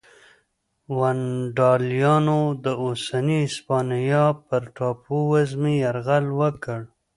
ونډالیانو د اوسنۍ هسپانیا پر ټاپو وزمې یرغل وکړ